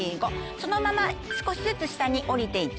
そのまま少しずつ下に下りて行きます。